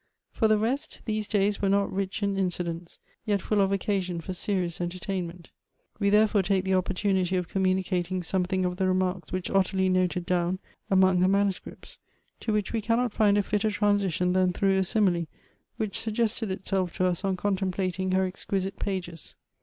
For the rest, these days were not rich in incidents ; yet full of occasion for serious entertainment. We therefore take the opportunity of commimicating something of the remarks which Ottilie noted down among her manu scripts, to which we cannot find a fitter transition than through a simile which suggested itself to us on contem plating her exquisite pages.